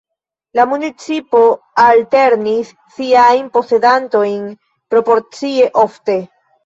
La municipo alternis siajn posedantojn proporcie ofte.